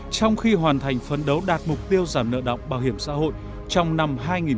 trong khi hoàn thành phấn đấu đạt mục tiêu giảm nợ đọng bảo hiểm xã hội trong năm hai nghìn một mươi chín